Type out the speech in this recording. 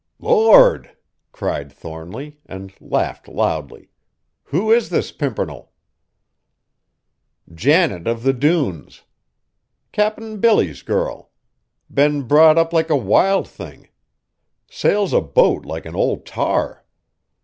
"Lord!" cried Thornly, and laughed loudly; "who is this pimpernel?" "Janet of the Dunes. Cap'n Billy's girl! Been brought up like a wild thing! Sails a boat like an old tar!